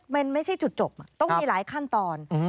มันไม่ใช่จุดจบต้องมีหลายขั้นตอน